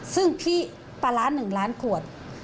ซึ่งพี่ปลาร้า๑ล้านขวด